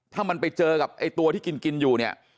ถ้ามันไปเจอกับไอ้ตัวที่กินกินอยู่เนี่ย